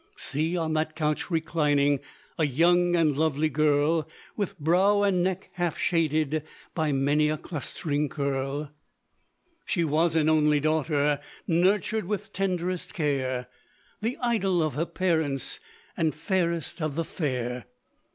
See on that couch reclining, A young and lovely girl, With brow and neck half shaded. By many a clustering curl. She was an only daughter, Nurtured with tenderest care; The idol of her parents, And fairest of the fair.